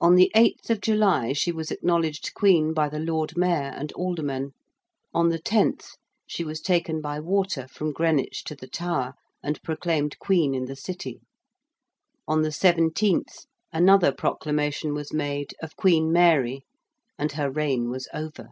On the 8th of July she was acknowledged Queen by the Lord Mayor and Aldermen: on the 10th she was taken by water from Greenwich to the Tower, and proclaimed Queen in the City: on the 17th another proclamation was made of Queen Mary, and her reign was over.